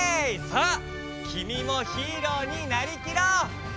さあきみもヒーローになりきろう！